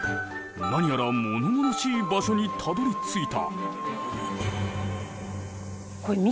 何やらものものしい場所にたどりついた。